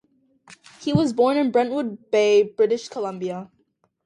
He was born in Brentwood Bay, British Columbia.